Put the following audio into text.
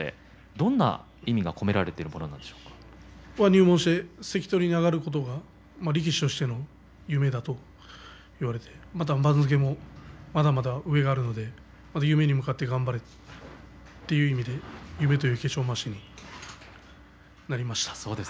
どんな意味が入門して関取に上がることが力士としての夢だということで番付もまだまだ上があるので夢に向かって頑張りたいという意味で夢という化粧まわしになりました。